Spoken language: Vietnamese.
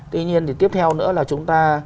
tuy nhiên thì tiếp theo nữa là chúng ta